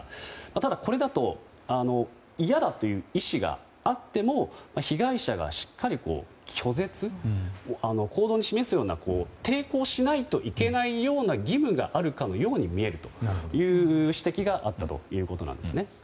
ただ、これだと嫌だという意思があっても被害者が、しっかり拒絶つまり行動に示すような抵抗しないといけないような義務があるかのように見えるという指摘があったということなんですね。